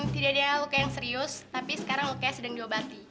tidak ada luka yang serius tapi sekarang lukanya sedang diobati